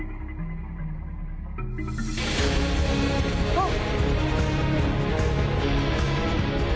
あっ！